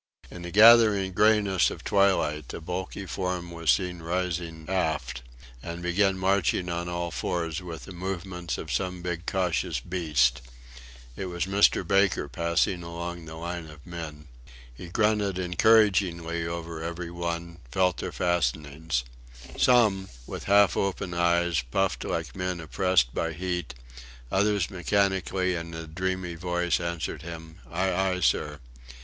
In the gathering greyness of twilight a bulky form was seen rising aft, and began marching on all fours with the movements of some big cautious beast. It was Mr. Baker passing along the line of men. He grunted encouragingly over every one, felt their fastenings. Some, with half open eyes, puffed like men oppressed by heat; others mechanically and in dreamy voices answered him, "Aye! aye! sir!"